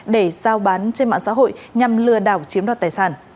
để giao bán trên mạng xã hội nhằm lừa đảo chiếm đoạt tài sản